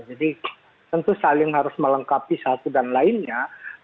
jadi tentu saling harus melengkapi satu dan lainnya